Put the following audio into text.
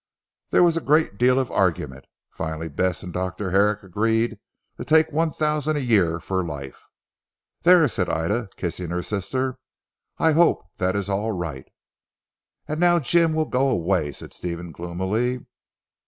There was a great deal of argument. Finally Bess and Dr. Herrick agreed to take one thousand a year for life. "There," said Ida kissing her sister, "I hope that is all right." "And now Jim will go away," said Stephen gloomily.